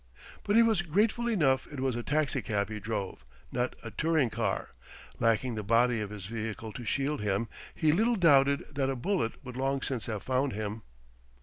But he was grateful enough it was a taxicab he drove, not a touring car: lacking the body of his vehicle to shield him, he little doubted that a bullet would long since have found him.